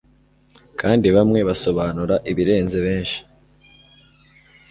kandi bamwe basobanura ibirenze benshi